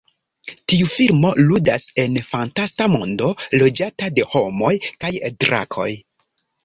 Tiu filmo ludas en fantasta mondo loĝata de homoj kaj drakoj.